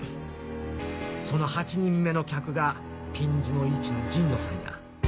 その８人目の客がピンズの１の陣野さんや。